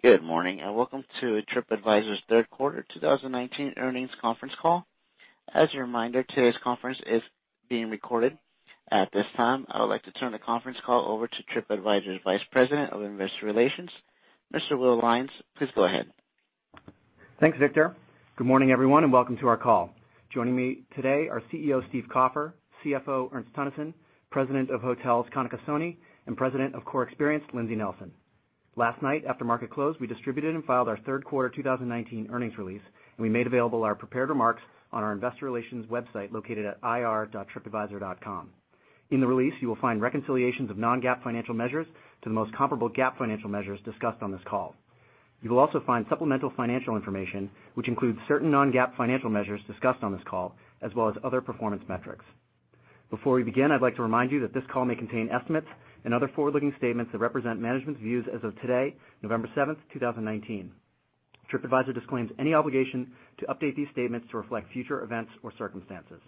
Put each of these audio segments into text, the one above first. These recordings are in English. Good morning, and welcome to TripAdvisor's third quarter 2019 earnings conference call. As a reminder, today's conference is being recorded. At this time, I would like to turn the conference call over to TripAdvisor's Vice President of Investor Relations, Mr. Will Lyons. Please go ahead. Thanks, Victor. Good morning, everyone, and welcome to our call. Joining me today are CEO, Steve Kaufer, CFO, Ernst Teunissen, President of Hotels, Kanika Soni, and President of Core Experience, Lindsay Nelson. Last night, after market close, we distributed and filed our third quarter 2019 earnings release, and we made available our prepared remarks on our investor relations website located at ir.tripadvisor.com. In the release, you will find reconciliations of non-GAAP financial measures to the most comparable GAAP financial measures discussed on this call. You will also find supplemental financial information, which includes certain non-GAAP financial measures discussed on this call, as well as other performance metrics. Before we begin, I'd like to remind you that this call may contain estimates and other forward-looking statements that represent management views as of today, November 7th, 2019. TripAdvisor disclaims any obligation to update these statements to reflect future events or circumstances.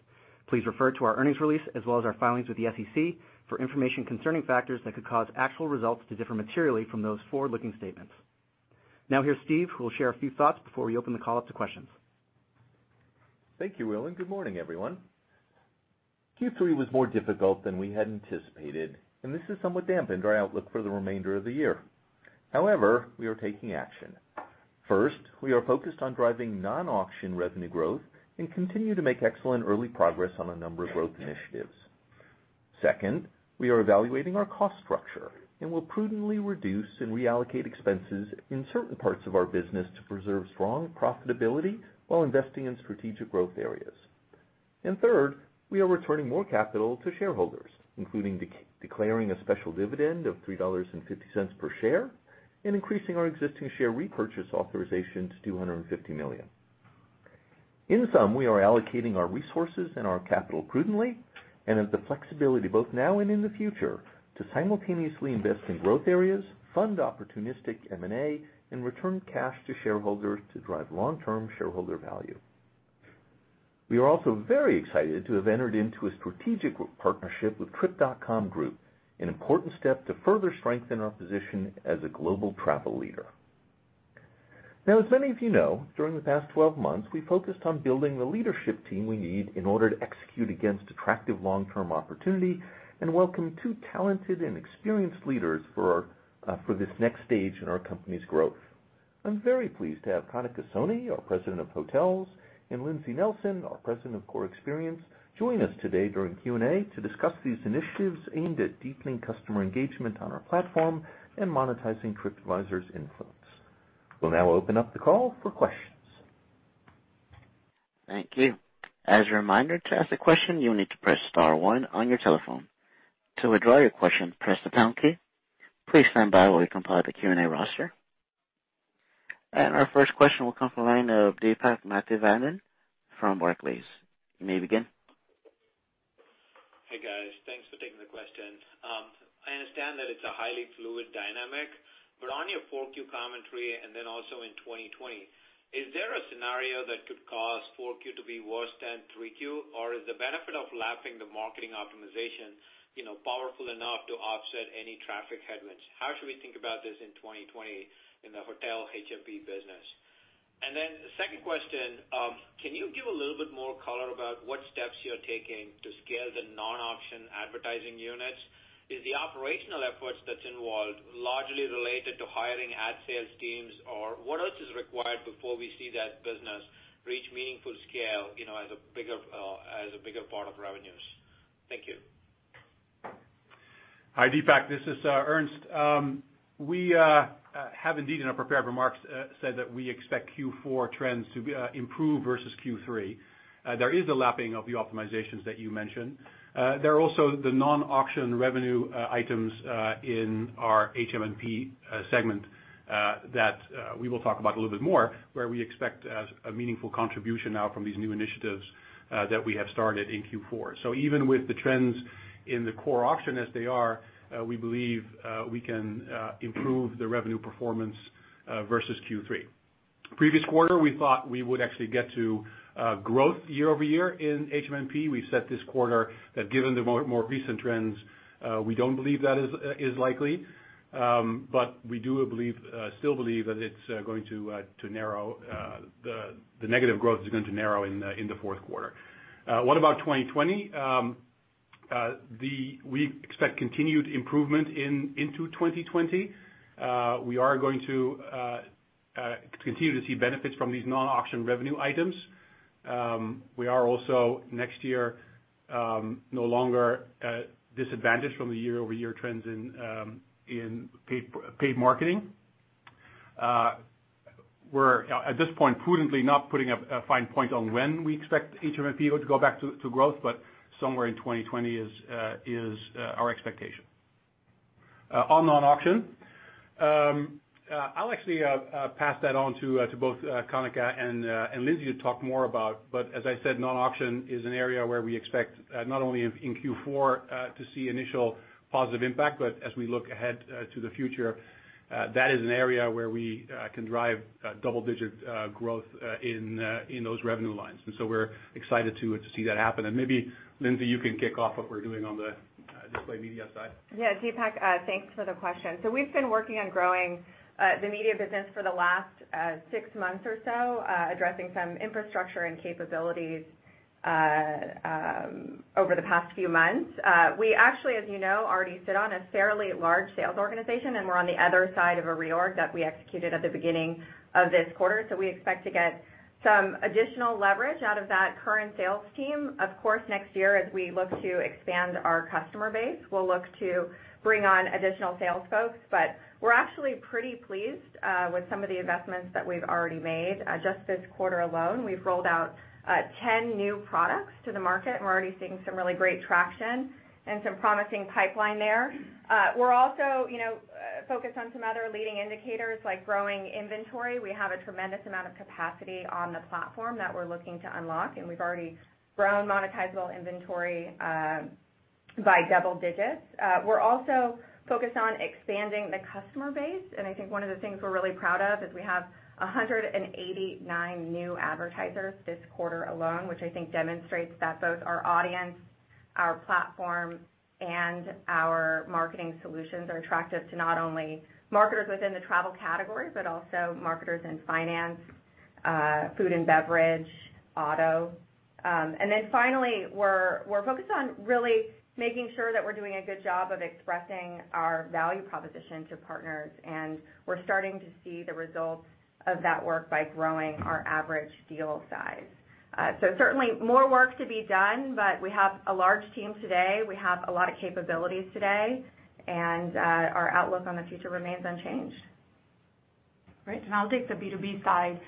Please refer to our earnings release as well as our filings with the SEC for information concerning factors that could cause actual results to differ materially from those forward-looking statements. Now, here's Steve, who will share a few thoughts before we open the call up to questions. Thank you, Will, and good morning, everyone. Q3 was more difficult than we had anticipated, and this has somewhat dampened our outlook for the remainder of the year. However, we are taking action. First, we are focused on driving non-auction revenue growth and continue to make excellent early progress on a number of growth initiatives. Second, we are evaluating our cost structure and will prudently reduce and reallocate expenses in certain parts of our business to preserve strong profitability while investing in strategic growth areas. Third, we are returning more capital to shareholders, including declaring a special dividend of $3.50 per share and increasing our existing share repurchase authorization to $250 million. In sum, we are allocating our resources and our capital prudently and have the flexibility, both now and in the future, to simultaneously invest in growth areas, fund opportunistic M&A, and return cash to shareholders to drive long-term shareholder value. We are also very excited to have entered into a strategic partnership with Trip.com Group, an important step to further strengthen our position as a global travel leader. Now, as many of you know, during the past 12 months, we focused on building the leadership team we need in order to execute against attractive long-term opportunity and welcome two talented and experienced leaders for this next stage in our company's growth. I'm very pleased to have Kanika Soni, our President of Hotels, and Lindsay Nelson, our President of Core Experience, join us today during Q&A to discuss these initiatives aimed at deepening customer engagement on our platform and monetizing TripAdvisor's influence. We'll now open up the call for questions. Thank you. As a reminder, to ask a question, you will need to press *1 on your telephone. To withdraw your question, press the # key. Please stand by while we compile the Q&A roster. Our first question will come from the line of Deepak Mathivanan from Barclays. You may begin. Hey, guys. Thanks for taking the question. I understand that it's a highly fluid dynamic, but on your 4Q commentary, and then also in 2020, is there a scenario that could cause 4Q to be worse than 3Q? Or is the benefit of lapping the marketing optimization powerful enough to offset any traffic headwinds? How should we think about this in 2020 in the hotel HM&P business? The second question, can you give a little bit more color about what steps you're taking to scale the non-auction advertising units? Is the operational efforts that's involved largely related to hiring ad sales teams? What else is required before we see that business reach meaningful scale as a bigger part of revenues? Thank you. Hi, Deepak. This is Ernst. We have indeed in our prepared remarks said that we expect Q4 trends to improve versus Q3. There is a lapping of the optimizations that you mentioned. There are also the non-auction revenue items in our HM&P segment that we will talk about a little bit more, where we expect a meaningful contribution now from these new initiatives that we have started in Q4. Even with the trends in the core auction as they are, we believe we can improve the revenue performance versus Q3. Previous quarter, we thought we would actually get to growth year-over-year in HM&P. We said this quarter that given the more recent trends, we don't believe that is likely, but we do still believe that the negative growth is going to narrow in the fourth quarter. What about 2020? We expect continued improvement into 2020. We are going to continue to see benefits from these non-auction revenue items. We are also, next year, no longer disadvantaged from the year-over-year trends in paid marketing. We're at this point prudently not putting a fine point on when we expect HM&P to go back to growth, but somewhere in 2020 is our expectation. On non-auction, I'll actually pass that on to both Kanika and Lindsay to talk more about, but as I said, non-auction is an area where we expect not only in Q4 to see initial positive impact, but as we look ahead to the future, that is an area where we can drive double-digit growth in those revenue lines. We're excited to see that happen. Maybe Lindsay, you can kick off what we're doing on the display media side. Yeah, Deepak, thanks for the question. We've been working on growing the media business for the last six months or so, addressing some infrastructure and capabilities over the past few months. We actually, as you know, already sit on a fairly large sales organization, and we're on the other side of a reorg that we executed at the beginning of this quarter. We expect to get some additional leverage out of that current sales team. Of course, next year, as we look to expand our customer base, we'll look to bring on additional sales folks. We're actually pretty pleased with some of the investments that we've already made. Just this quarter alone, we've rolled out 10 new products to the market, and we're already seeing some really great traction and some promising pipeline there. We're also focused on some other leading indicators, like growing inventory. We have a tremendous amount of capacity on the platform that we're looking to unlock. We've already grown monetizable inventory by double digits. We're also focused on expanding the customer base. I think one of the things we're really proud of is we have 189 new advertisers this quarter alone, which I think demonstrates that both our audience, our platform, and our marketing solutions are attractive to not only marketers within the travel category, but also marketers in finance, food and beverage, auto. Finally, we're focused on really making sure that we're doing a good job of expressing our value proposition to partners. We're starting to see the results of that work by growing our average deal size. Certainly more work to be done, but we have a large team today. We have a lot of capabilities today, and our outlook on the future remains unchanged. Great. I'll take the B2B side.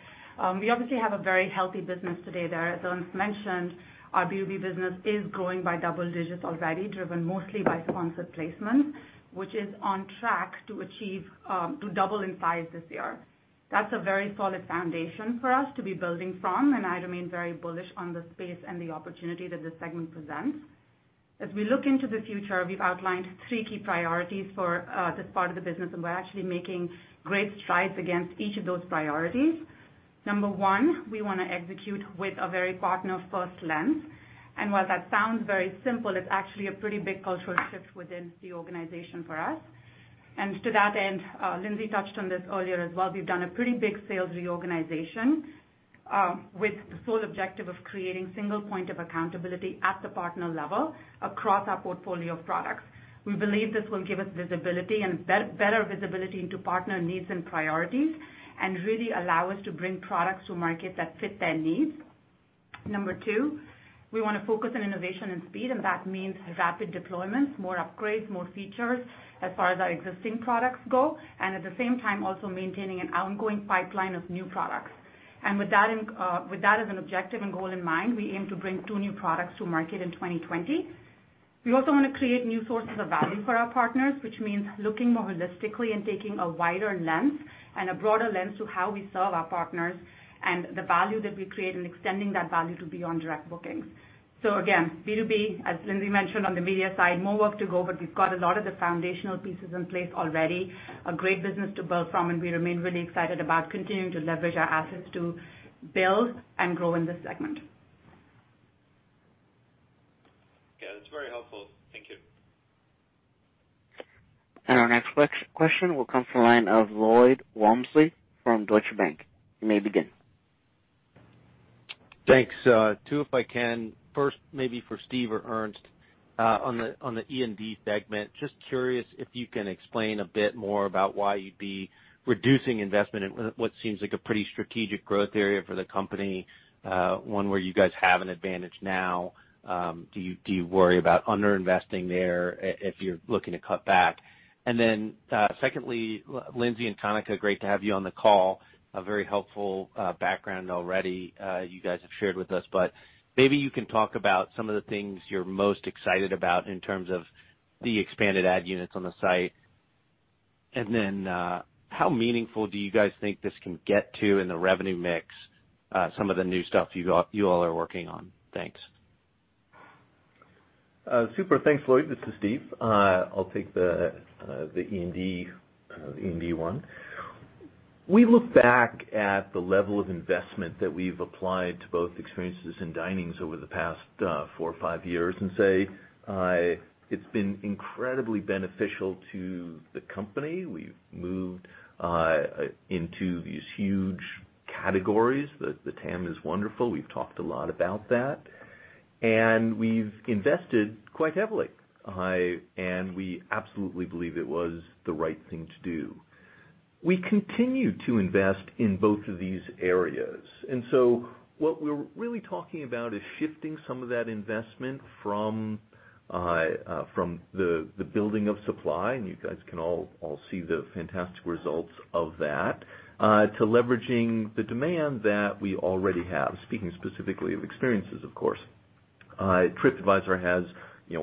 We obviously have a very healthy business today there. As Ernst mentioned, our B2B business is growing by double digits already, driven mostly by sponsored placements, which is on track to double in size this year. That's a very solid foundation for us to be building from, and I remain very bullish on the space and the opportunity that this segment presents. As we look into the future, we've outlined three key priorities for this part of the business, and we're actually making great strides against each of those priorities. Number one, we want to execute with a very partner-first lens, and while that sounds very simple, it's actually a pretty big cultural shift within the organization for us. To that end, Lindsay touched on this earlier as well, we've done a pretty big sales reorganization, with the sole objective of creating single point of accountability at the partner level across our portfolio of products. We believe this will give us visibility and better visibility into partner needs and priorities and really allow us to bring products to market that fit their needs. Number 2, we want to focus on innovation and speed, and that means rapid deployments, more upgrades, more features as far as our existing products go, and at the same time, also maintaining an ongoing pipeline of new products. With that as an objective and goal in mind, we aim to bring two new products to market in 2020. We also want to create new sources of value for our partners, which means looking more holistically and taking a wider lens and a broader lens to how we serve our partners and the value that we create in extending that value to beyond direct bookings. Again, B2B, as Lindsay mentioned on the media side, more work to go, but we've got a lot of the foundational pieces in place already, a great business to build from, and we remain really excited about continuing to leverage our assets to build and grow in this segment. Yeah, that's very helpful. Thank you. Our next question will come from the line of Lloyd Walmsley from Deutsche Bank. You may begin. Thanks. Two, if I can, first maybe for Steve or Ernst, on the E&D segment. Just curious if you can explain a bit more about why you'd be reducing investment in what seems like a pretty strategic growth area for the company, one where you guys have an advantage now. Do you worry about under-investing there if you're looking to cut back? Secondly, Lindsay and Kanika, great to have you on the call. A very helpful background already you guys have shared with us, but maybe you can talk about some of the things you're most excited about in terms of the expanded ad units on the site. How meaningful do you guys think this can get to in the revenue mix, some of the new stuff you all are working on? Thanks. Super. Thanks, Lloyd. This is Steve. I'll take the E&D one. We look back at the level of investment that we've applied to both experiences and dinings over the past four or five years and say it's been incredibly beneficial to the company. We've moved into these huge categories. The TAM is wonderful. We've talked a lot about that. We've invested quite heavily, and we absolutely believe it was the right thing to do. We continue to invest in both of these areas. What we're really talking about is shifting some of that investment from the building of supply, and you guys can all see the fantastic results of that, to leveraging the demand that we already have, speaking specifically of experiences, of course. TripAdvisor has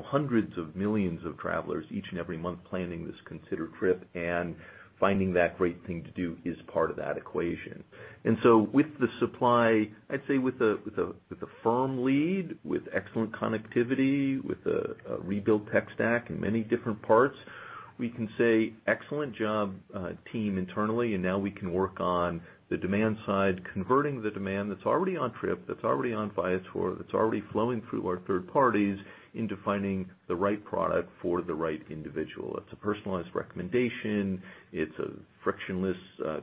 hundreds of millions of travelers each and every month planning this considered trip and finding that great thing to do is part of that equation. With the supply, I'd say with a firm lead, with excellent connectivity, with a rebuilt tech stack in many different parts, we can say, "Excellent job, team internally," and now we can work on the demand side, converting the demand that's already on Trip, that's already on Viator, that's already flowing through our third parties in defining the right product for the right individual. It's a personalized recommendation. It's a frictionless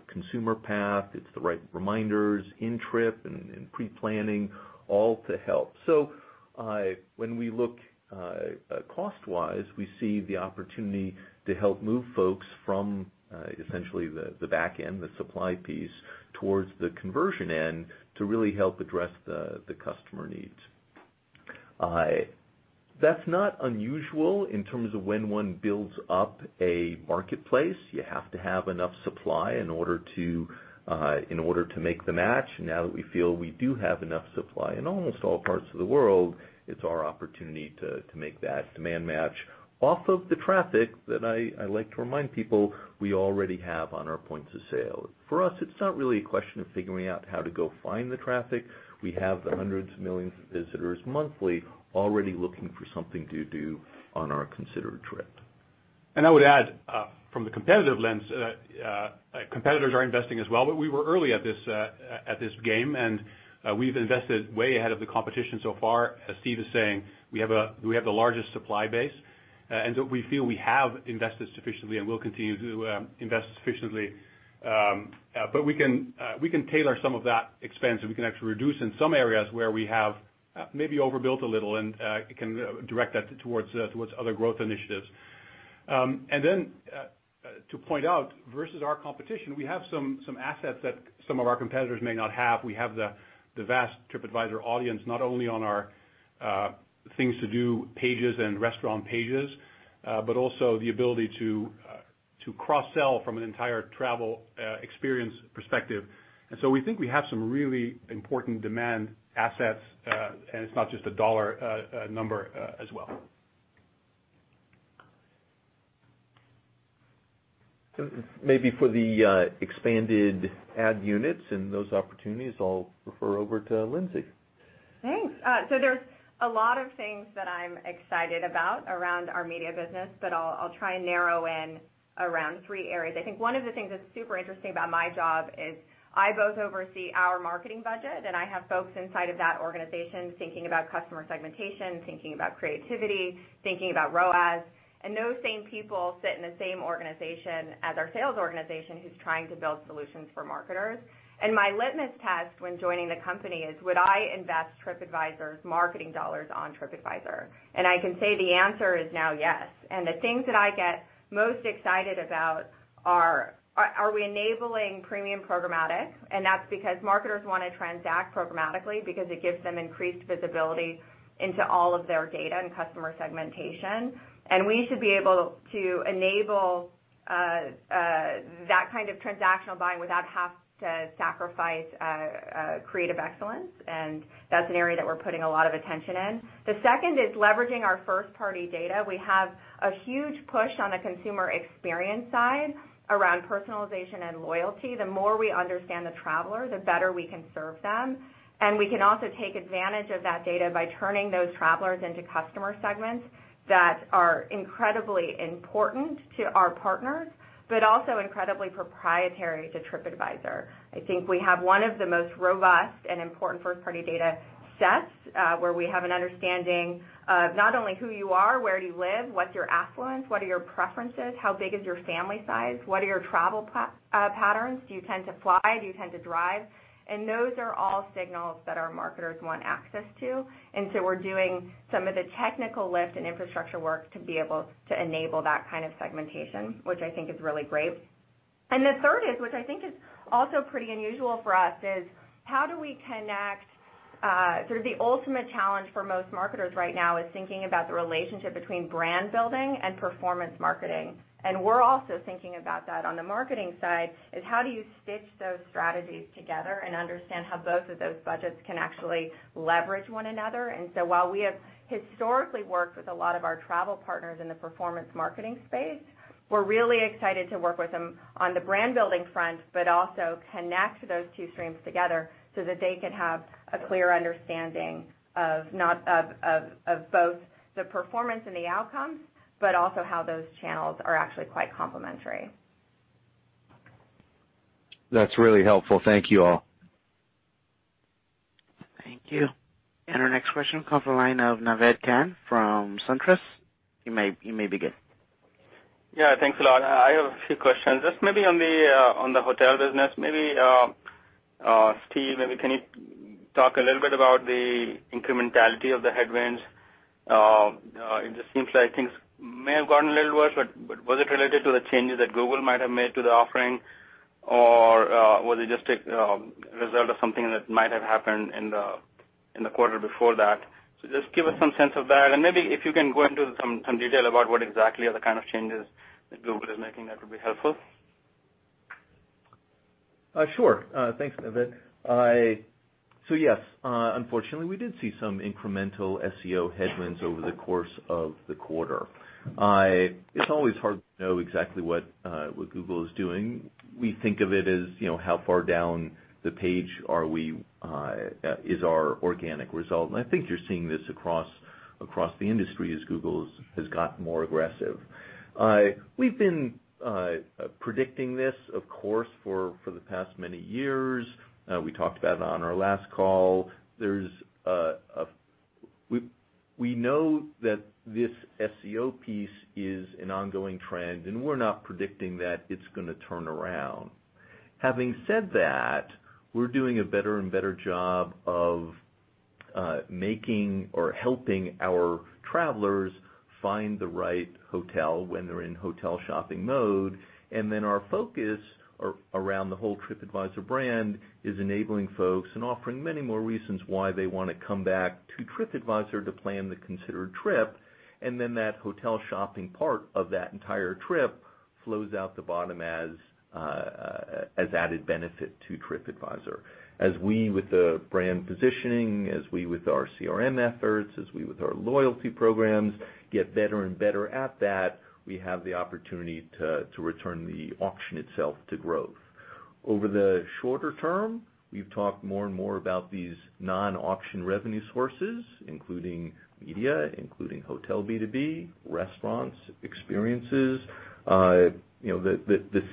consumer path. It's the right reminders in Trip and in pre-planning all to help. So When we look cost-wise, we see the opportunity to help move folks from essentially the back end, the supply piece, towards the conversion end to really help address the customer needs. That's not unusual in terms of when one builds up a marketplace. You have to have enough supply in order to make the match. Now that we feel we do have enough supply in almost all parts of the world, it's our opportunity to make that demand match off of the traffic that I like to remind people we already have on our points of sale. For us, it's not really a question of figuring out how to go find the traffic. We have hundreds of millions of visitors monthly already looking for something to do on our considered trip. I would add from the competitive lens, competitors are investing as well, but we were early at this game, and we've invested way ahead of the competition so far. As Steve is saying, we have the largest supply base, so we feel we have invested sufficiently and will continue to invest sufficiently. We can tailor some of that expense, and we can actually reduce in some areas where we have maybe overbuilt a little and can direct that towards other growth initiatives. Then to point out, versus our competition, we have some assets that some of our competitors may not have. We have the vast TripAdvisor audience, not only on our things to do pages and restaurant pages, but also the ability to cross-sell from an entire travel experience perspective. We think we have some really important demand assets, and it's not just a dollar number as well. Maybe for the expanded ad units and those opportunities, I'll refer over to Lindsay. Thanks. There's a lot of things that I'm excited about around our media business, but I'll try and narrow in around three areas. I think one of the things that's super interesting about my job is I both oversee our marketing budget, and I have folks inside of that organization thinking about customer segmentation, thinking about creativity, thinking about ROAS, and those same people sit in the same organization as our sales organization who's trying to build solutions for marketers. My litmus test when joining the company is, would I invest TripAdvisor's marketing dollars on TripAdvisor? I can say the answer is now yes. The things that I get most excited about are we enabling premium programmatic? That's because marketers want to transact programmatically because it gives them increased visibility into all of their data and customer segmentation. We should be able to enable that kind of transactional buying without having to sacrifice creative excellence, and that's an area that we're putting a lot of attention in. The second is leveraging our first-party data. We have a huge push on the consumer experience side around personalization and loyalty. The more we understand the traveler, the better we can serve them. We can also take advantage of that data by turning those travelers into customer segments that are incredibly important to our partners, but also incredibly proprietary to TripAdvisor. I think we have one of the most robust and important first-party data sets, where we have an understanding of not only who you are, where do you live, what's your affluence, what are your preferences, how big is your family size, what are your travel patterns, do you tend to fly, do you tend to drive? Those are all signals that our marketers want access to. We're doing some of the technical lift and infrastructure work to be able to enable that kind of segmentation, which I think is really great. The third is, which I think is also pretty unusual for us, is how do we connect through the ultimate challenge for most marketers right now is thinking about the relationship between brand building and performance marketing. We're also thinking about that on the marketing side, is how do you stitch those strategies together and understand how both of those budgets can actually leverage one another? While we have historically worked with a lot of our travel partners in the performance marketing space, we're really excited to work with them on the brand building front, but also connect those two streams together so that they can have a clear understanding of both the performance and the outcomes, but also how those channels are actually quite complementary. That's really helpful. Thank you all. Thank you. Our next question comes from the line of Naved Khan from SunTrust. You may begin. Yeah, thanks a lot. I have a few questions. Just maybe on the hotel business, maybe Steve, can you talk a little bit about the incrementality of the headwinds? It just seems like things may have gotten a little worse, but was it related to the changes that Google might have made to the offering, or was it just a result of something that might have happened in the quarter before that? Just give us some sense of that, and maybe if you can go into some detail about what exactly are the kind of changes that Google is making, that would be helpful. Sure. Thanks, Naved. Yes, unfortunately, we did see some incremental SEO headwinds over the course of the quarter. It's always hard to know exactly what Google is doing. We think of it as how far down the page is our organic result, and I think you're seeing this across the industry as Google has gotten more aggressive. We've been predicting this, of course, for the past many years. We talked about it on our last call. We know that this SEO piece is an ongoing trend, and we're not predicting that it's going to turn around. Having said that, we're doing a better and better job of making or helping our travelers find the right hotel when they're in hotel shopping mode. Our focus around the whole TripAdvisor brand is enabling folks and offering many more reasons why they want to come back to TripAdvisor to plan the considered trip, and that hotel shopping part of that entire trip flows out the bottom as added benefit to TripAdvisor. As we with the brand positioning, as we with our CRM efforts, as we with our loyalty programs, get better and better at that, we have the opportunity to return the auction itself to growth. Over the shorter term, we've talked more and more about these non-auction revenue sources, including media, including hotel B2B, restaurants, experiences, the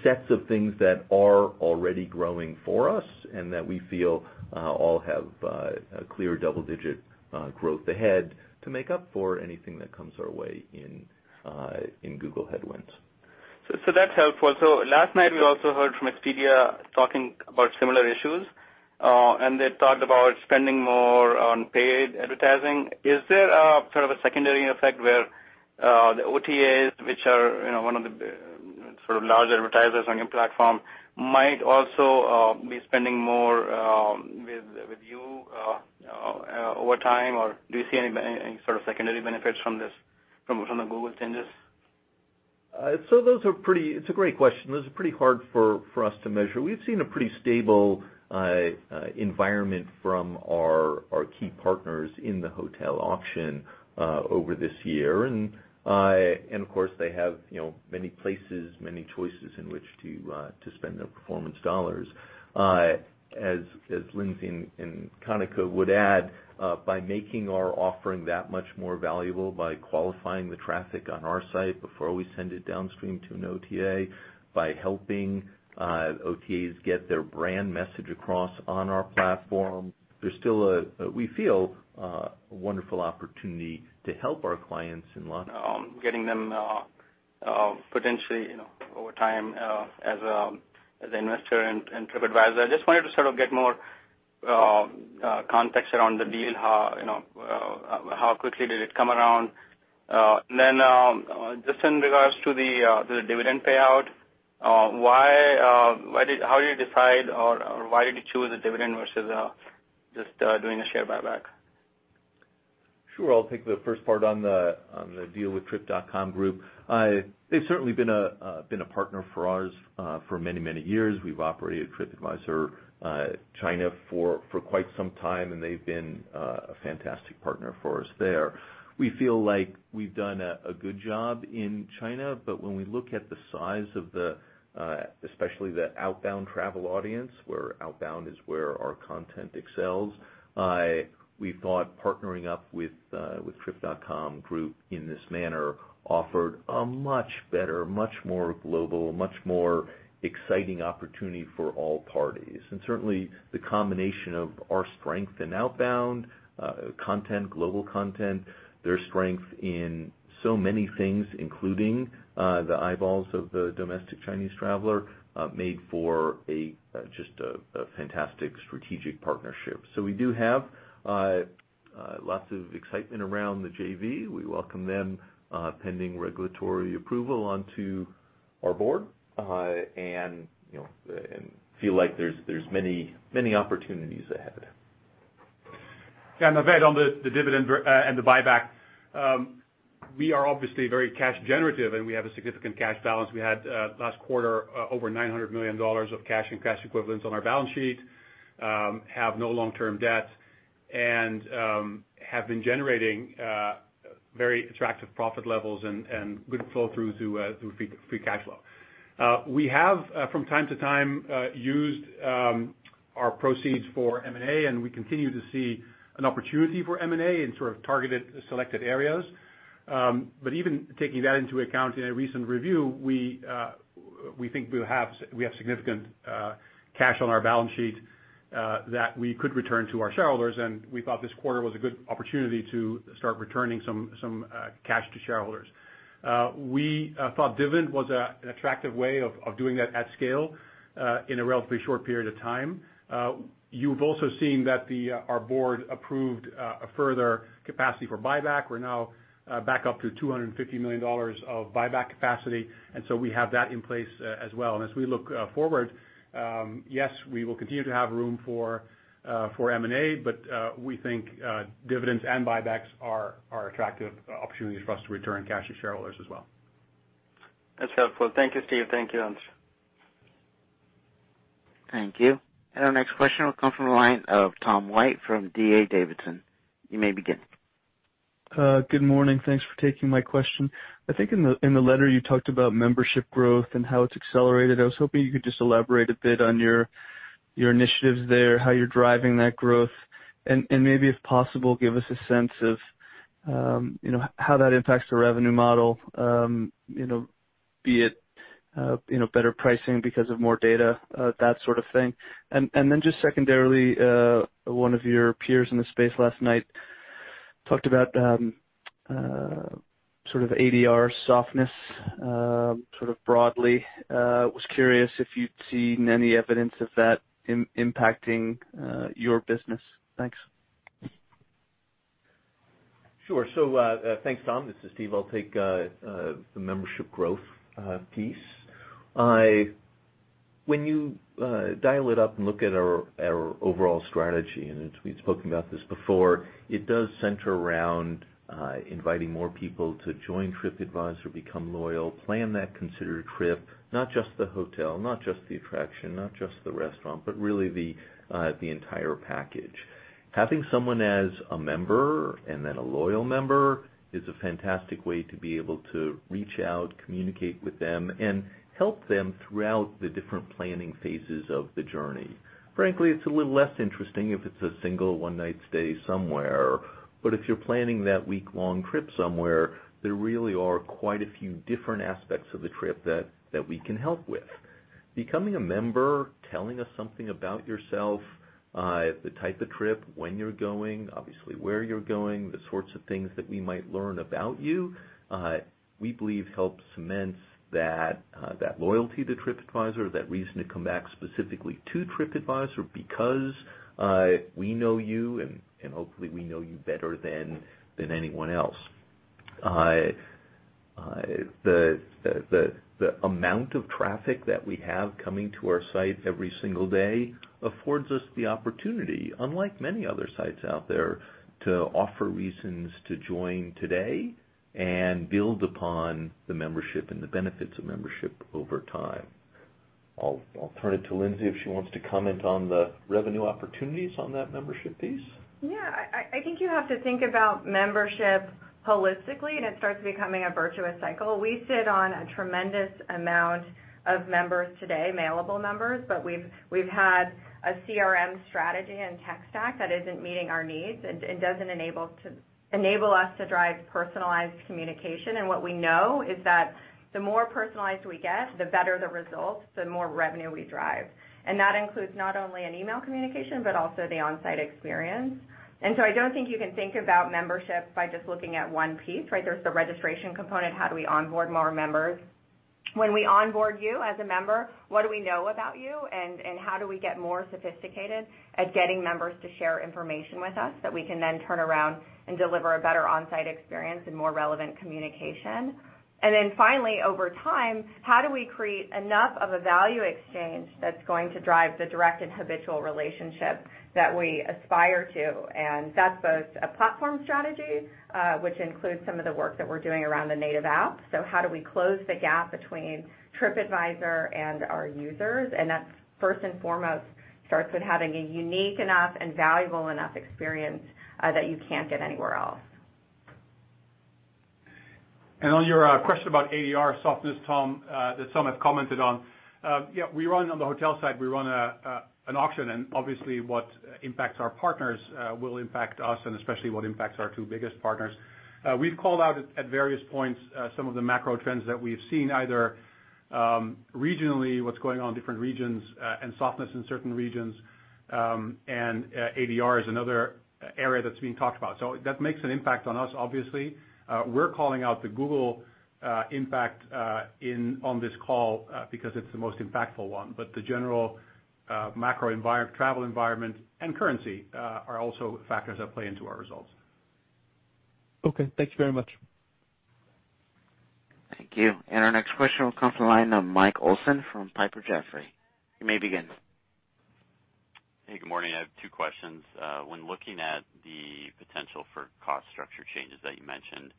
sets of things that are already growing for us and that we feel all have a clear double-digit growth ahead to make up for anything that comes our way in Google headwinds. That's helpful. Last night we also heard from Expedia talking about similar issues, and they talked about spending more on paid advertising. Is there a secondary effect where the OTAs, which are one of the large advertisers on your platform, might also be spending more with you over time? Do you see any secondary benefits from the Google changes? It's a great question. Those are pretty hard for us to measure. We've seen a pretty stable environment from our key partners in the hotel auction over this year. Of course they have many places, many choices in which to spend their performance dollars. As Lindsay and Kanika would add, by making our offering that much more valuable, by qualifying the traffic on our site before we send it downstream to an OTA, by helping OTAs get their brand message across on our platform, there's still, we feel, a wonderful opportunity to help our clients in line. Getting them potentially, over time, as an investor in TripAdvisor. I just wanted to get more context around the deal. How quickly did it come around? Just in regards to the dividend payout, how did you decide, or why did you choose a dividend versus just doing a share buyback? Sure. I'll take the first part on the deal with Trip.com Group. They've certainly been a partner for ours for many, many years. We've operated TripAdvisor China for quite some time, and they've been a fantastic partner for us there. We feel like we've done a good job in China, but when we look at the size of especially the outbound travel audience, where outbound is where our content excels, we thought partnering up with Trip.com Group in this manner offered a much better, much more global, much more exciting opportunity for all parties. Certainly the combination of our strength in outbound content, global content, their strength in so many things, including the eyeballs of the domestic Chinese traveler, made for just a fantastic strategic partnership. We do have lots of excitement around the JV. We welcome them, pending regulatory approval, onto our board, and feel like there's many opportunities ahead. Yeah, Naved, on the dividend and the buyback, we are obviously very cash generative, and we have a significant cash balance. We had, last quarter, over $900 million of cash and cash equivalents on our balance sheet, have no long-term debt, and have been generating very attractive profit levels and good flow through to free cash flow. We have, from time to time, used our proceeds for M&A, and we continue to see an opportunity for M&A in targeted, selected areas. Even taking that into account in a recent review, we think we have significant cash on our balance sheet that we could return to our shareholders, and we thought this quarter was a good opportunity to start returning some cash to shareholders. We thought dividend was an attractive way of doing that at scale in a relatively short period of time. You've also seen that our board approved a further capacity for buyback. We're now back up to $250 million of buyback capacity. We have that in place as well. As we look forward, yes, we will continue to have room for M&A, but we think dividends and buybacks are attractive opportunities for us to return cash to shareholders as well. That's helpful. Thank you, Steve. Thank you, Ernst. Thank you. Our next question will come from the line of Tom White from D.A. Davidson. You may begin. Good morning. Thanks for taking my question. I think in the letter you talked about membership growth and how it's accelerated. I was hoping you could just elaborate a bit on your initiatives there, how you're driving that growth. Maybe, if possible, give us a sense of how that impacts the revenue model, be it better pricing because of more data, that sort of thing. Then just secondarily, one of your peers in the space last night talked about ADR softness broadly. Was curious if you'd seen any evidence of that impacting your business. Thanks. Sure. Thanks, Tom. This is Steve. I'll take the membership growth piece. When you dial it up and look at our overall strategy, and we've spoken about this before, it does center around inviting more people to join TripAdvisor, become loyal, plan that considered trip, not just the hotel, not just the attraction, not just the restaurant, but really the entire package. Having someone as a member and then a loyal member is a fantastic way to be able to reach out, communicate with them, and help them throughout the different planning phases of the journey. Frankly, it's a little less interesting if it's a single one-night stay somewhere. If you're planning that week-long trip somewhere, there really are quite a few different aspects of the trip that we can help with. Becoming a member, telling us something about yourself, the type of trip, when you're going, obviously where you're going, the sorts of things that we might learn about you, we believe help cement that loyalty to TripAdvisor, that reason to come back specifically to TripAdvisor because we know you, and hopefully we know you better than anyone else. The amount of traffic that we have coming to our site every single day affords us the opportunity, unlike many other sites out there, to offer reasons to join today and build upon the membership and the benefits of membership over time. I'll turn it to Lindsay if she wants to comment on the revenue opportunities on that membership piece. I think you have to think about membership holistically, it starts becoming a virtuous cycle. We sit on a tremendous amount of members today, mailable members, we've had a CRM strategy and tech stack that isn't meeting our needs and doesn't enable us to drive personalized communication. What we know is that the more personalized we get, the better the results, the more revenue we drive. That includes not only an email communication, but also the on-site experience. I don't think you can think about membership by just looking at one piece, right? There's the registration component. How do we onboard more members? When we onboard you as a member, what do we know about you, and how do we get more sophisticated at getting members to share information with us that we can then turn around and deliver a better on-site experience and more relevant communication? Then finally, over time, how do we create enough of a value exchange that's going to drive the direct and habitual relationship that we aspire to? That's both a platform strategy, which includes some of the work that we're doing around the native app. How do we close the gap between TripAdvisor and our users? That, first and foremost, starts with having a unique enough and valuable enough experience that you can't get anywhere else. On your question about ADR softness, Tom, that some have commented on. Yeah, on the hotel side, we run an auction, and obviously what impacts our partners will impact us, and especially what impacts our two biggest partners. We've called out at various points some of the macro trends that we've seen, either regionally, what's going on in different regions, and softness in certain regions, and ADR is another area that's being talked about. That makes an impact on us, obviously. We're calling out the Google impact on this call because it's the most impactful one. The general macro travel environment and currency are also factors that play into our results. Okay. Thank you very much. Thank you. Our next question will come from the line of Mike Olson from Piper Jaffray. You may begin. Hey, good morning. I have two questions. When looking at the potential for cost structure changes that you mentioned,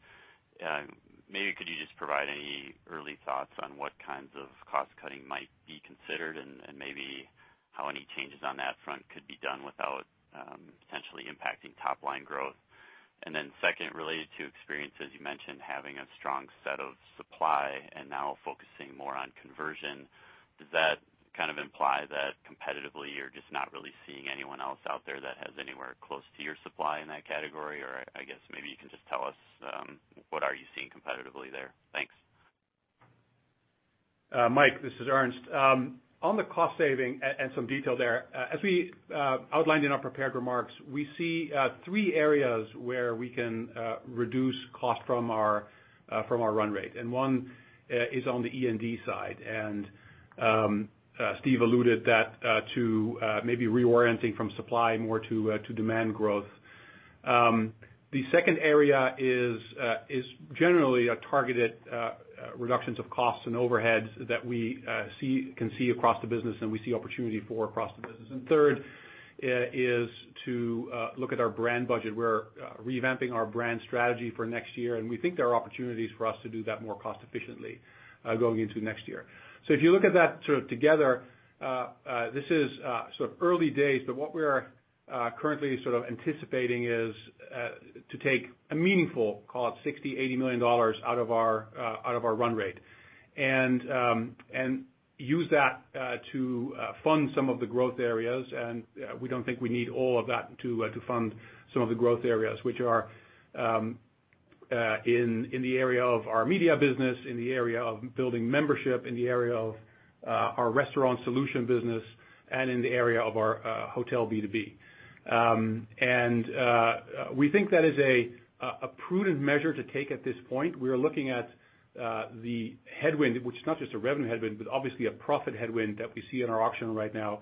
maybe could you just provide any early thoughts on what kinds of cost cutting might be considered? Maybe how any changes on that front could be done without potentially impacting top-line growth? Then second, related to experiences, you mentioned having a strong set of supply and now focusing more on conversion. Does that imply that competitively you're just not really seeing anyone else out there that has anywhere close to your supply in that category? Or I guess maybe you can just tell us, what are you seeing competitively there? Thanks. Mike, this is Ernst. On the cost saving and some detail there, as we outlined in our prepared remarks, we see three areas where we can reduce cost from our run rate, and one is on the E&D side. Steve alluded that to maybe reorienting from supply more to demand growth. The second area is generally targeted reductions of costs and overheads that we can see across the business and we see opportunity for across the business. Third is to look at our brand budget. We're revamping our brand strategy for next year, and we think there are opportunities for us to do that more cost efficiently going into next year. If you look at that together, this is early days, but what we're currently anticipating is to take a meaningful, call it $60 million-$80 million, out of our run rate, and use that to fund some of the growth areas. We don't think we need all of that to fund some of the growth areas, which are in the area of our media business, in the area of building membership, in the area of our restaurant solution business, and in the area of our hotel B2B. We think that is a prudent measure to take at this point. We are looking at the headwind, which is not just a revenue headwind, but obviously a profit headwind that we see in our auction right now.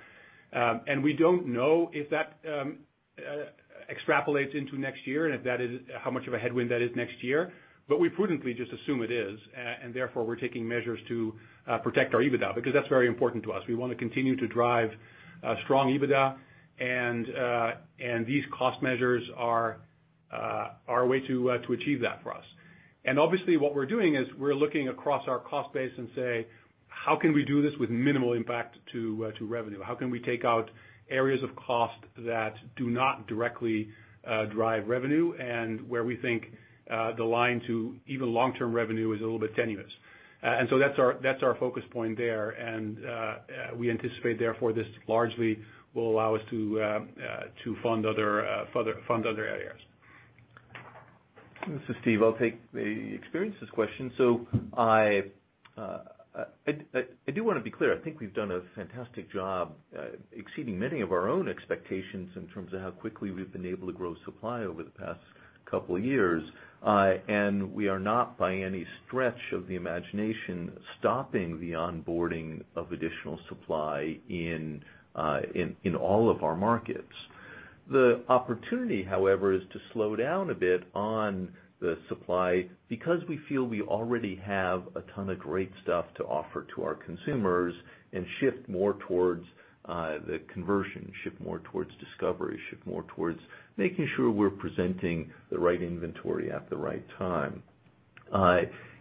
We don't know if that extrapolates into next year and how much of a headwind that is next year. We prudently just assume it is, and therefore we're taking measures to protect our EBITDA, because that's very important to us. We want to continue to drive strong EBITDA, and these cost measures are a way to achieve that for us. Obviously what we're doing is we're looking across our cost base and say, how can we do this with minimal impact to revenue? How can we take out areas of cost that do not directly drive revenue, and where we think the line to even long-term revenue is a little bit tenuous. That's our focus point there, and we anticipate, therefore, this largely will allow us to fund other areas. This is Steve. I'll take the experiences question. I do want to be clear. I think we've done a fantastic job exceeding many of our own expectations in terms of how quickly we've been able to grow supply over the past couple of years. We are not, by any stretch of the imagination, stopping the onboarding of additional supply in all of our markets. The opportunity, however, is to slow down a bit on the supply because we feel we already have a ton of great stuff to offer to our consumers and shift more towards the conversion, shift more towards discovery, shift more towards making sure we're presenting the right inventory at the right time.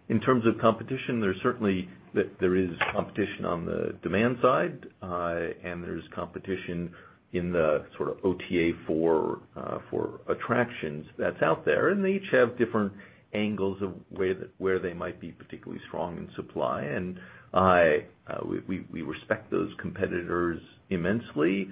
In terms of competition, there certainly is competition on the demand side, and there's competition in the OTA for attractions that's out there, and they each have different angles of where they might be particularly strong in supply. We respect those competitors immensely,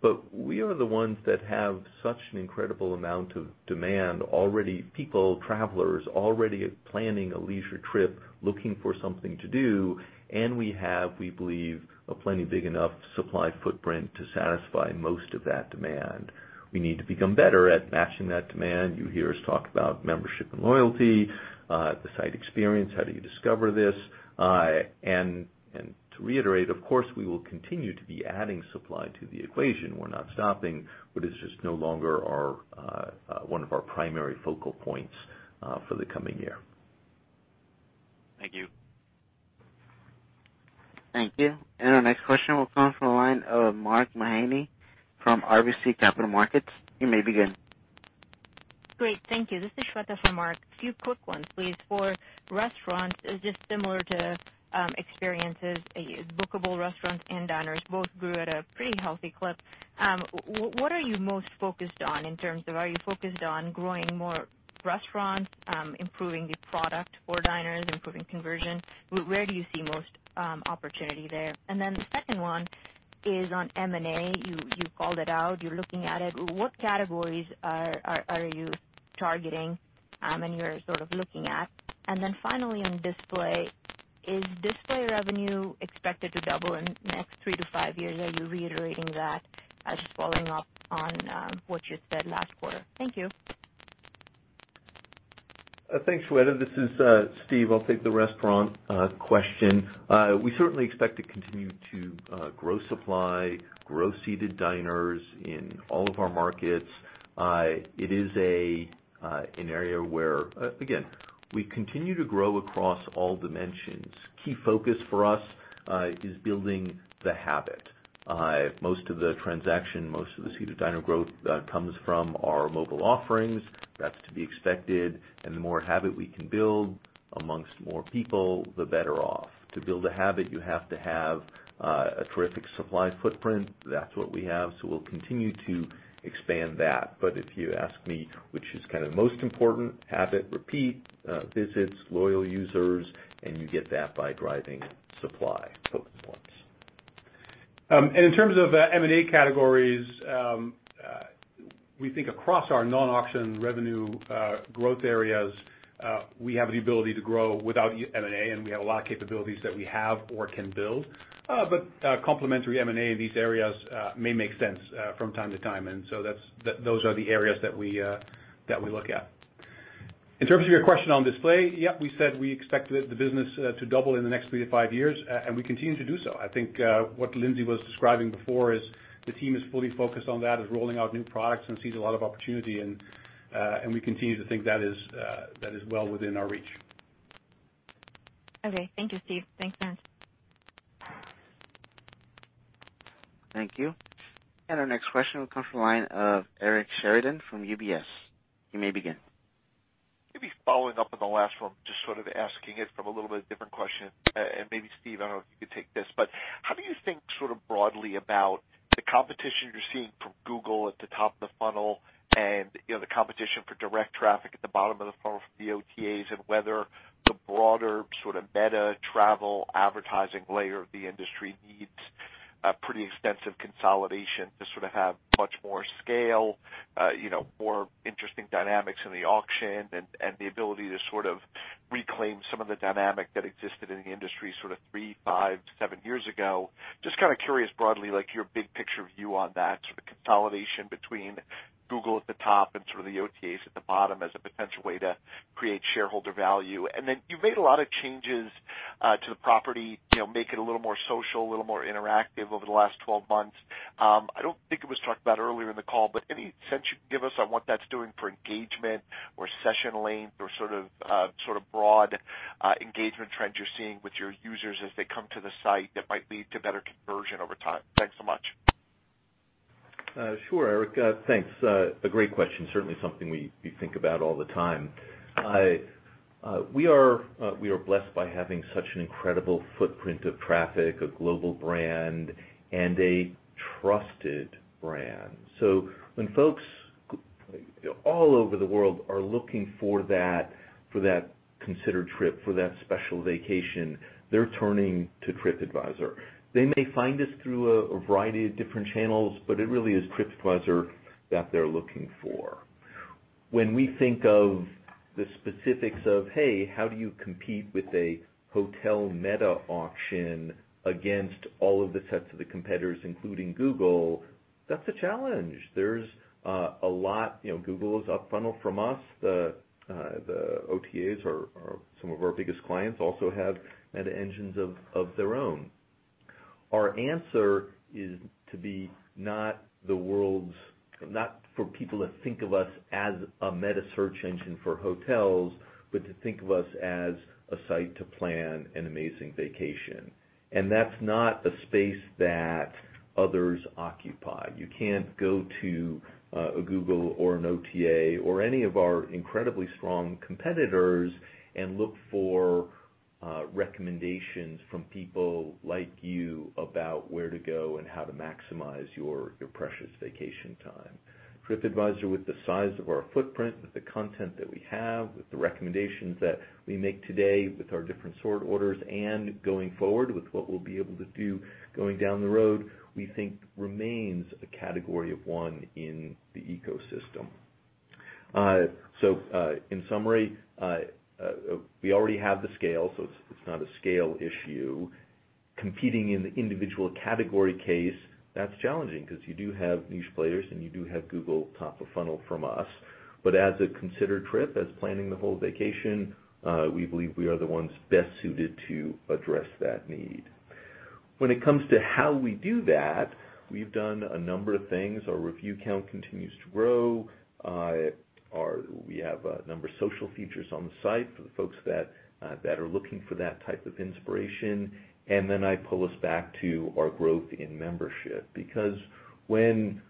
but we are the ones that have such an incredible amount of demand already. People, travelers already planning a leisure trip, looking for something to do, and we have, we believe, a plenty big enough supply footprint to satisfy most of that demand. We need to become better at matching that demand. You hear us talk about membership and loyalty, the site experience, how do you discover this? To reiterate, of course, we will continue to be adding supply to the equation. We're not stopping, but it's just no longer one of our primary focal points for the coming year. Thank you. Thank you. Our next question will come from the line of Mark Mahaney from RBC Capital Markets. You may begin. Great, thank you. This is Shweta for Mark. A few quick ones, please. For restaurants, is this similar to experiences, bookable restaurants and diners both grew at a pretty healthy clip. What are you most focused on in terms of are you focused on growing more restaurants, improving the product for diners, improving conversion? Where do you see most opportunity there? The second one is on M&A. You called it out, you're looking at it. What categories are you targeting and you're sort of looking at? Finally on display, is display revenue expected to double in the next three to five years? Are you reiterating that? Just following up on what you said last quarter. Thank you. Thanks, Shweta, this is Steve. I'll take the restaurant question. We certainly expect to continue to grow supply, grow seated diners in all of our markets. It is an area where, again, we continue to grow across all dimensions. Key focus for us is building the habit. Most of the transaction, most of the seated diner growth comes from our mobile offerings. That's to be expected, and the more habit we can build amongst more people, the better off. To build a habit, you have to have a terrific supply footprint. That's what we have, so we'll continue to expand that. If you ask me, which is most important, habit, repeat visits, loyal users, and you get that by driving supply. Focus points. In terms of M&A categories, we think across our non-auction revenue growth areas, we have the ability to grow without M&A, and we have a lot of capabilities that we have or can build. Complementary M&A in these areas may make sense from time to time. Those are the areas that we look at. In terms of your question on display, yeah, we said we expect the business to double in the next three to five years, and we continue to do so. I think what Lindsay was describing before is the team is fully focused on that, is rolling out new products and sees a lot of opportunity, and we continue to think that is well within our reach. Okay. Thank you, Steve. Thanks, Mark. Thank you. Our next question will come from the line of Eric Sheridan from UBS. You may begin. Maybe following up on the last one, just sort of asking it from a little bit different question, and maybe Steve, I don't know if you could take this. How do you think sort of broadly about the competition you're seeing from Google at the top of the funnel and the competition for direct traffic at the bottom of the funnel from the OTAs, and whether the broader sort of meta travel advertising layer of the industry needs a pretty extensive consolidation to have much more scale, more interesting dynamics in the auction, and the ability to reclaim some of the dynamic that existed in the industry sort of three, five, seven years ago. Just curious broadly, your big picture view on that consolidation between Google at the top and the OTAs at the bottom as a potential way to create shareholder value. You've made a lot of changes to the property, make it a little more social, a little more interactive over the last 12 months. I don't think it was talked about earlier in the call, but any sense you can give us on what that's doing for engagement or session length or broad engagement trends you're seeing with your users as they come to the site that might lead to better conversion over time? Thanks so much. Sure, Eric. Thanks. A great question. Certainly, something we think about all the time. We are blessed by having such an incredible footprint of traffic, a global brand, and a trusted brand. When folks all over the world are looking for that considered trip, for that special vacation, they're turning to TripAdvisor. They may find us through a variety of different channels, it really is TripAdvisor that they're looking for. When we think of the specifics of, hey, how do you compete with a hotel meta auction against all of the sets of the competitors, including Google, that's a challenge. There's a lot. Google is up funnel from us. The OTAs are some of our biggest clients, also have meta engines of their own. Our answer is to be not for people to think of us as a meta search engine for hotels, but to think of us as a site to plan an amazing vacation. That's not a space that others occupy. You can't go to a Google or an OTA or any of our incredibly strong competitors and look for recommendations from people like you about where to go and how to maximize your precious vacation time. TripAdvisor, with the size of our footprint, with the content that we have, with the recommendations that we make today, with our different sort orders, and going forward with what we'll be able to do going down the road, we think remains a category of one in the ecosystem. In summary, we already have the scale, so it's not a scale issue. Competing in the individual category case, that's challenging because you do have niche players and you do have Google top of funnel from us. As a considered trip, as planning the whole vacation, we believe we are the ones best suited to address that need. When it comes to how we do that, we've done a number of things. Our review count continues to grow. We have a number of social features on the site for the folks that are looking for that type of inspiration. I pull us back to our growth in membership, because when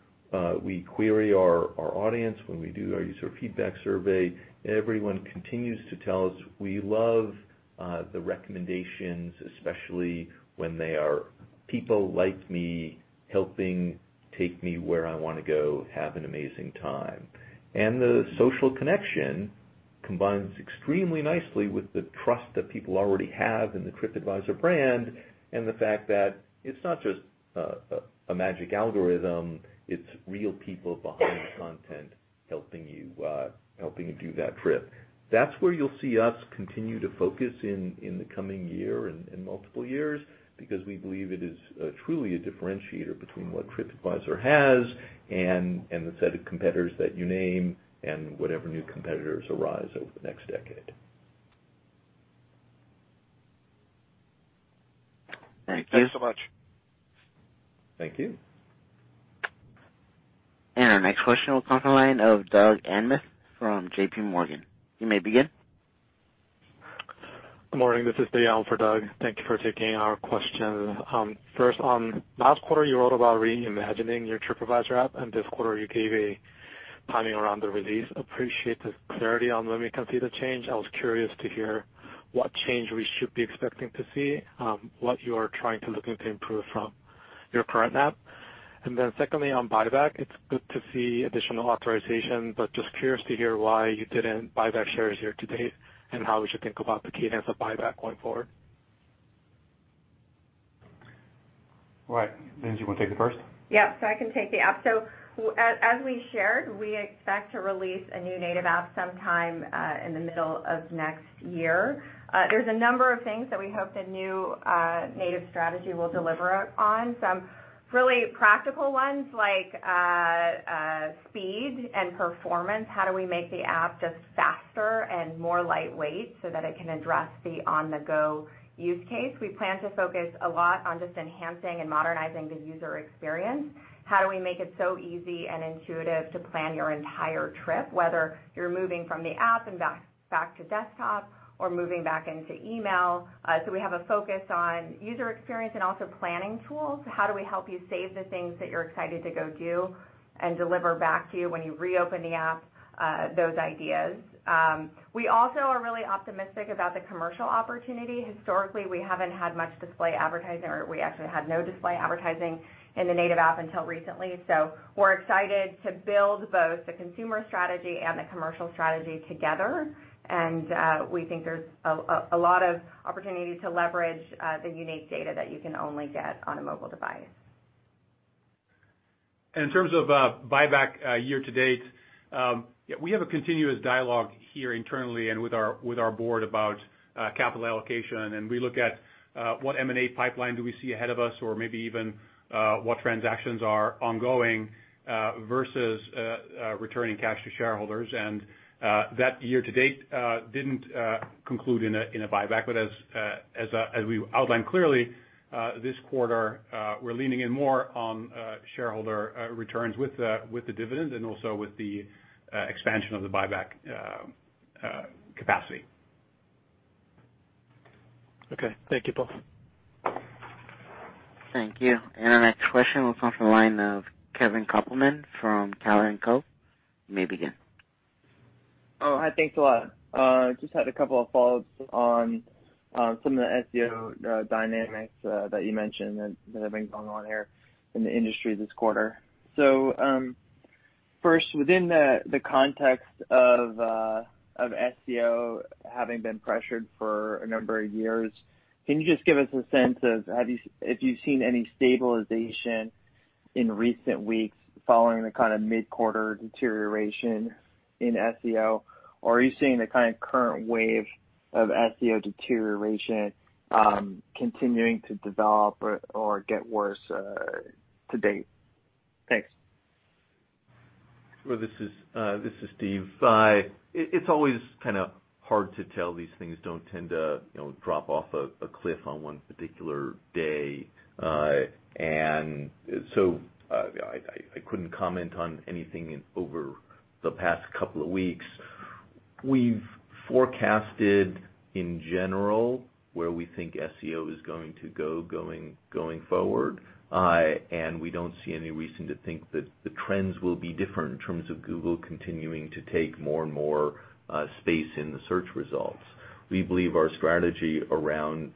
we query our audience, when we do our user feedback survey, everyone continues to tell us we love the recommendations, especially when they are people like me helping take me where I want to go, have an amazing time. The social connection combines extremely nicely with the trust that people already have in the TripAdvisor brand and the fact that it's not just a magic algorithm, it's real people behind the content helping you do that trip. That's where you'll see us continue to focus in the coming year and multiple years because we believe it is truly a differentiator between what TripAdvisor has and the set of competitors that you name and whatever new competitors arise over the next decade. Thank you. Thanks so much. Thank you. Our next question will come from the line of Doug Anmuth from JP Morgan. You may begin. Good morning. This is Doug Anmuth for Doug. Thank you for taking our question. Last quarter, you wrote about reimagining your TripAdvisor app. This quarter you gave a timing around the release. Appreciate the clarity on when we can see the change. I was curious to hear what change we should be expecting to see, what you are trying to improve from your current app. Secondly, on buyback, it's good to see additional authorization. Just curious to hear why you didn't buy back shares year to date, how we should think about the cadence of buyback going forward. Right. Lindsay, you want to take it first? Yep. I can take the app. As we shared, we expect to release a new native app sometime in the middle of next year. There's a number of things that we hope the new native strategy will deliver on. Some really practical ones like speed and performance. How do we make the app just faster and more lightweight so that it can address the on-the-go use case? We plan to focus a lot on just enhancing and modernizing the user experience. How do we make it so easy and intuitive to plan your entire trip, whether you're moving from the app and back to desktop or moving back into email? We have a focus on user experience and also planning tools. How do we help you save the things that you're excited to go do and deliver back to you when you reopen the app, those ideas? We also are really optimistic about the commercial opportunity. Historically, we haven't had much display advertising, or we actually had no display advertising in the native app until recently. We're excited to build both the consumer strategy and the commercial strategy together, and we think there's a lot of opportunity to leverage the unique data that you can only get on a mobile device. In terms of buyback year-to-date, we have a continuous dialogue here internally and with our board about capital allocation, and we look at what M&A pipeline do we see ahead of us or maybe even what transactions are ongoing versus returning cash to shareholders. That year-to-date didn't conclude in a buyback, but as we outlined clearly this quarter, we're leaning in more on shareholder returns with the dividend and also with the expansion of the buyback capacity. Okay, thank you both. Thank you. Our next question will come from the line of Kevin Kopelman from Cowen and Company. You may begin. Oh, hi. Thanks a lot. Just had a couple of follow-ups on some of the SEO dynamics that you mentioned that have been going on here in the industry this quarter. First, within the context of SEO having been pressured for a number of years, can you just give us a sense of if you've seen any stabilization in recent weeks following the mid-quarter deterioration in SEO, or are you seeing the current wave of SEO deterioration continuing to develop or get worse to date? Thanks. Well, this is Steve. It's always hard to tell. These things don't tend to drop off a cliff on one particular day. I couldn't comment on anything over the past couple of weeks. We've forecasted, in general, where we think SEO is going to go going forward, and we don't see any reason to think that the trends will be different in terms of Google continuing to take more and more space in the search results. We believe our strategy around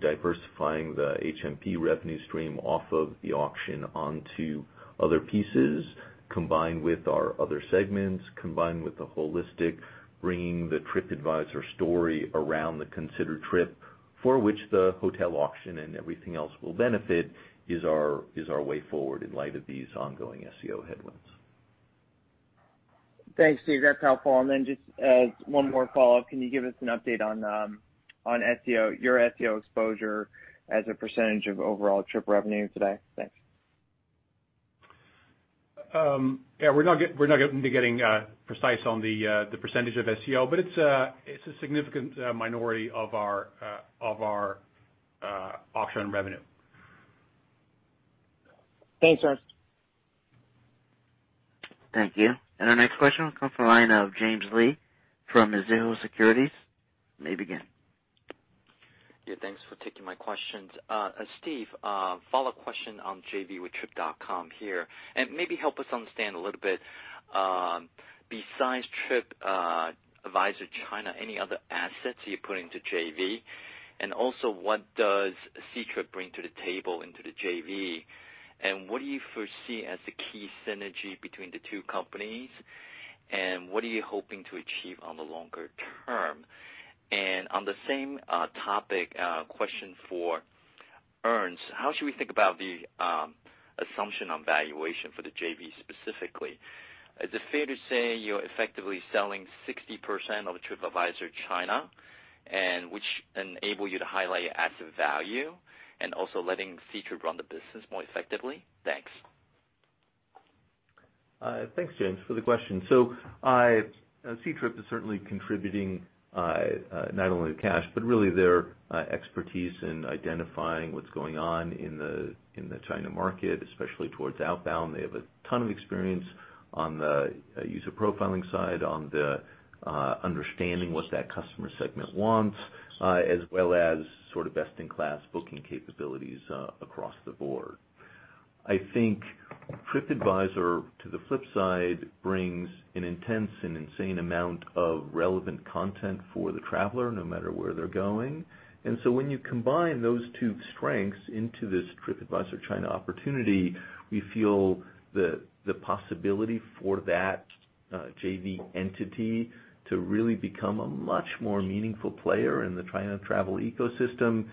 diversifying the HM&P revenue stream off of the auction onto other pieces, combined with our other segments, combined with the holistic bringing the TripAdvisor story around the considered trip, for which the hotel auction and everything else will benefit, is our way forward in light of these ongoing SEO headwinds. Thanks, Steve. That's helpful. Just one more follow-up. Can you give us an update on your SEO exposure as a % of overall trip revenue today? Thanks. Yeah. We're not going to be getting precise on the % of SEO, but it's a significant minority of our auction revenue. Thanks, Ernst. Thank you. Our next question comes from the line of James Lee from Mizuho Securities. You may begin. Yeah, thanks for taking my questions. Steve, follow-up question on JV with Trip.com here. Maybe help us understand a little bit, besides TripAdvisor China, any other assets you're putting to JV? Also what does Ctrip bring to the table into the JV, and what do you foresee as the key synergy between the two companies, and what are you hoping to achieve on the longer term? On the same topic, a question for Ernst. How should we think about the assumption on valuation for the JV specifically? Is it fair to say you're effectively selling 60% of TripAdvisor China, and which enable you to highlight asset value and also letting Ctrip run the business more effectively? Thanks. Thanks, James, for the question. Ctrip is certainly contributing, not only with cash, but really their expertise in identifying what's going on in the China market, especially towards outbound. They have a ton of experience on the user profiling side, on the understanding what that customer segment wants, as well as best-in-class booking capabilities across the board. I think TripAdvisor, to the flip side, brings an intense and insane amount of relevant content for the traveler no matter where they're going. When you combine those two strengths into this TripAdvisor China opportunity, we feel the possibility for that JV entity to really become a much more meaningful player in the China travel ecosystem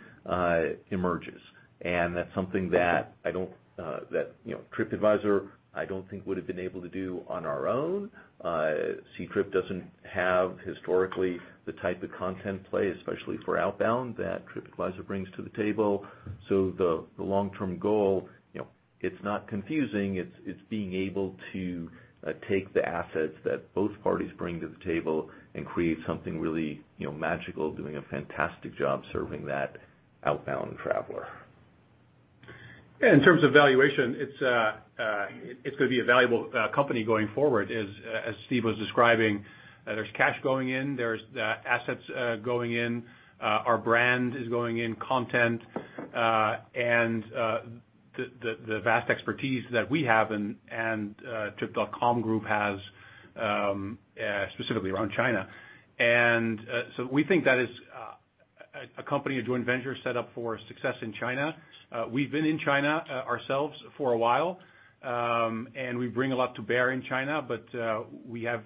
emerges. That's something that TripAdvisor, I don't think would've been able to do on our own. Ctrip doesn't have historically the type of content play, especially for outbound, that TripAdvisor brings to the table. The long-term goal, it's not confusing, it's being able to take the assets that both parties bring to the table and create something really magical, doing a fantastic job serving that outbound traveler. Yeah, in terms of valuation, it's going to be a valuable company going forward, as Steve was describing. There's cash going in, there's assets going in, our brand is going in, content, and the vast expertise that we have and Trip.com Group has specifically around China. We think that is A company, a joint venture set up for success in China. We've been in China ourselves for a while, and we bring a lot to bear in China, but we have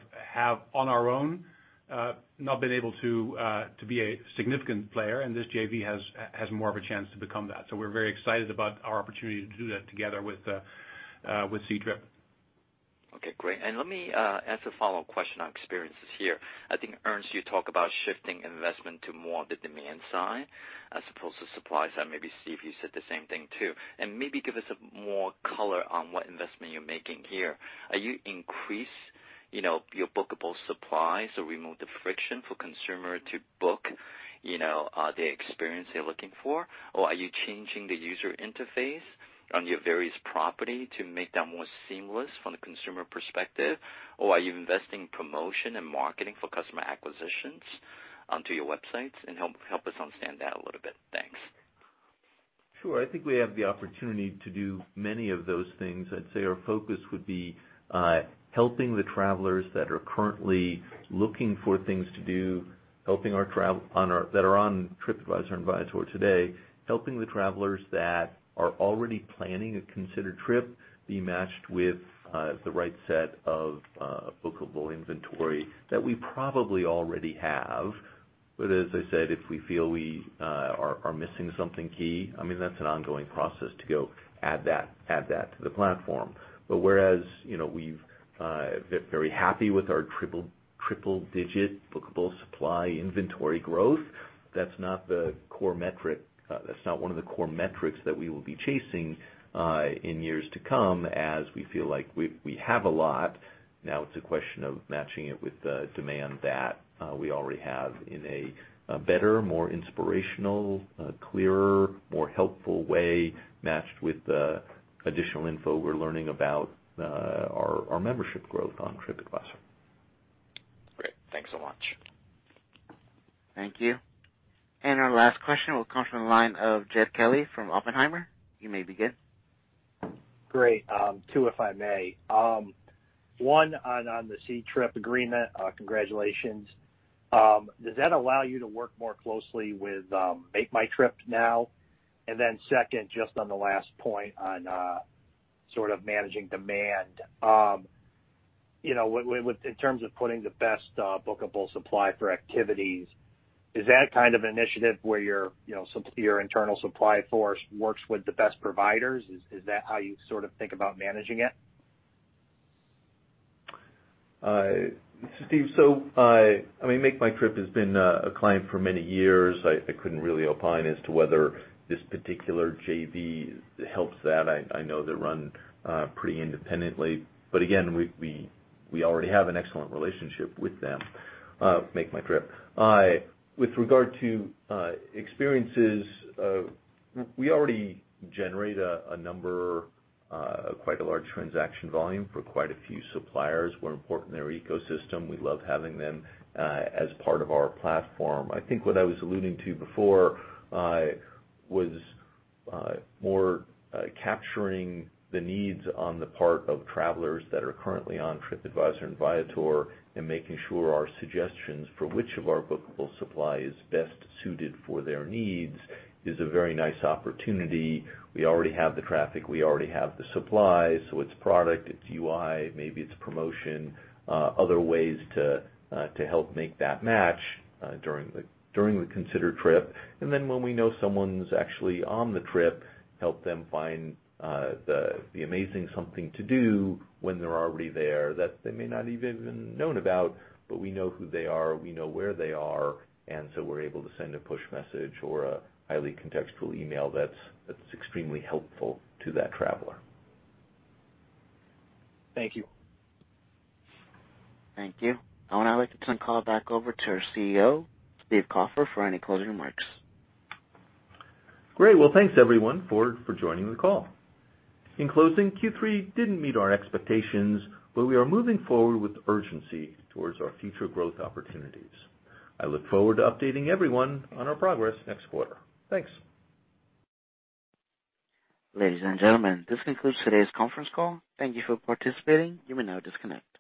on our own, not been able to be a significant player, and this JV has more of a chance to become that. We're very excited about our opportunity to do that together with Ctrip. Okay, great. Let me ask a follow-up question on experiences here. I think Ernst, you talk about shifting investment to more of the demand side as opposed to supply side, maybe Steve, you said the same thing too. Maybe give us more color on what investment you're making here. Are you increasing your bookable supplies or remove the friction for consumer to book the experience they're looking for? Are you changing the user interface on your various property to make that more seamless from the consumer perspective? Are you investing promotion and marketing for customer acquisitions onto your websites? Help us understand that a little bit. Thanks. Sure. I think we have the opportunity to do many of those things. I'd say our focus would be helping the travelers that are currently looking for things to do, that are on TripAdvisor and Viator today, helping the travelers that are already planning a considered trip be matched with the right set of bookable inventory that we probably already have. As I said, if we feel we are missing something key, I mean, that's an ongoing process to go add that to the platform. Whereas, we've very happy with our triple digit bookable supply inventory growth, that's not one of the core metrics that we will be chasing in years to come as we feel like we have a lot. Now it's a question of matching it with the demand that we already have in a better, more inspirational, clearer, more helpful way, matched with the additional info we're learning about our membership growth on TripAdvisor. Great. Thanks so much. Thank you. Our last question will come from the line of Jed Kelly from Oppenheimer. You may begin. Great. Two, if I may. One on the Ctrip agreement, congratulations. Does that allow you to work more closely with MakeMyTrip now? Second, just on the last point on sort of managing demand. In terms of putting the best bookable supply for activities, is that kind of initiative where your internal supply force works with the best providers? Is that how you sort of think about managing it? This is Steve. I mean, MakeMyTrip has been a client for many years. I couldn't really opine as to whether this particular JV helps that. I know they're run pretty independently. Again, we already have an excellent relationship with them, MakeMyTrip. With regard to experiences, we already generate quite a large transaction volume for quite a few suppliers who are important in their ecosystem. We love having them as part of our platform. I think what I was alluding to before was more capturing the needs on the part of travelers that are currently on TripAdvisor and Viator and making sure our suggestions for which of our bookable supply is best suited for their needs is a very nice opportunity. We already have the traffic. We already have the supply, so it's product, it's UI, maybe it's promotion, other ways to help make that match during the considered trip. When we know someone's actually on the trip, help them find the amazing something to do when they're already there that they may not even known about, but we know who they are, we know where they are, and so we're able to send a push message or a highly contextual email that's extremely helpful to that traveler. Thank you. Thank you. I would now like to turn the call back over to our CEO, Steve Kaufer, for any closing remarks. Great. Well, thanks everyone for joining the call. In closing, Q3 didn't meet our expectations, but we are moving forward with urgency towards our future growth opportunities. I look forward to updating everyone on our progress next quarter. Thanks. Ladies and gentlemen, this concludes today's conference call. Thank you for participating. You may now disconnect.